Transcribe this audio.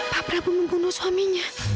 pak prabu membunuh suaminya